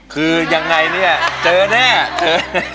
คือยังไงเนี่ยเจอแน่เจอ